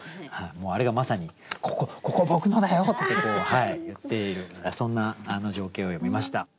もうあれがまさに「ここここ僕のだよ！」って言っているそんな情景を詠みました。